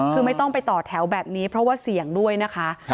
คือไม่ต้องไปต่อแถวแบบนี้เพราะว่าเสี่ยงด้วยนะคะ